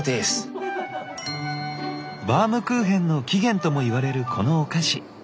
バウムクーヘンの起源ともいわれるこのお菓子。